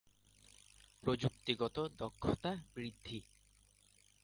গ. প্রযুক্তিগত দক্ষতা বৃদ্ধি